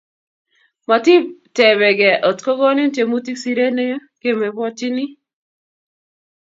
Matitepekei otko konin tiemutik siret ne kemebwotyini